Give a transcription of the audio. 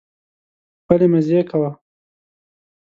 خپلې مزې کوه.